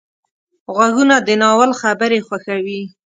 غوږونه د ناول خبرې خوښوي